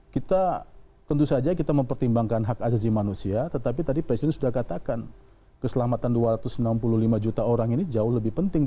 kita tentu saja kita mempertimbangkan hak azazi manusia tetapi tadi presiden sudah katakan keselamatan dua ratus enam puluh lima juta orang ini jauh lebih penting